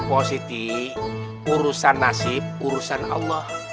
positif urusan nasib urusan allah